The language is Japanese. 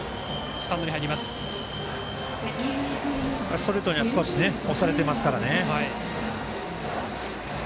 ストレートには少し押されていますね。